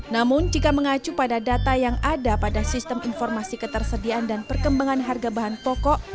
namun jika mengacu pada data yang ada pada sistem informasi ketersediaan dan perkembangan harga bahan pokok